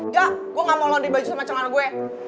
enggak gue gak mau laundry baju sama celana gue